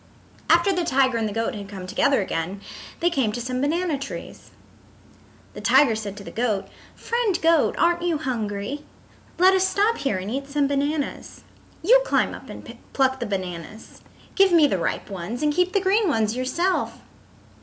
After the tiger and the goat had come together again they came to some banana trees. The tiger said to the goat: "Friend Goat, aren't you hungry? Let us stop here and eat some bananas. You climb up and pluck the bananas. Give me the ripe ones, and keep the green ones yourself."